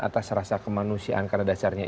atas rasa kemanusiaan karena dasarnya